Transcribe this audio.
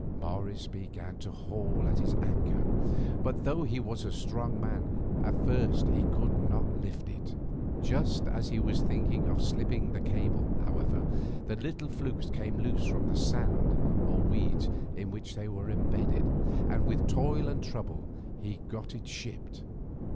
Morris began to haul at his anchor; but, though he was a strong man, at first he could not lift it. Just as he was thinking of slipping the cable, however, the little flukes came loose from the sand or weeds in which they were embedded, and with toil and trouble he got it shipped.